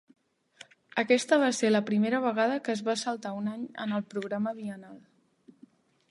Aquesta va ser la primera vegada que es va saltar un any en el programa biennal.